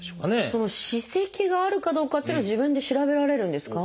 その歯石があるかどうかっていうのは自分で調べられるんですか？